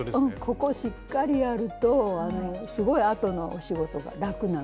ここしっかりやるとすごい後の仕事が楽なんで。